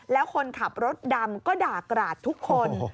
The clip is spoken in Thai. แล้วคนขับรถดำก็ด่ากราดทุกคน